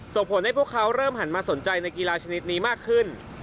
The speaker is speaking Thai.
ส่งผลให้พวกเขาเริ่มหันมาสนใจในกีฬาชนิดนี้มากขึ้น